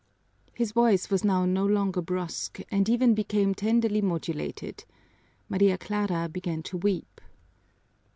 His voice was now no longer brusque, and even became tenderly modulated. Maria Clara began to weep.